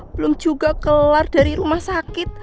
belum juga keluar dari rumah sakit